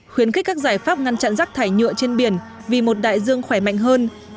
khuyến khích các giải pháp ngăn chặn rắc thải nhựa trên biển vì một đại dương khỏe mạnh hơn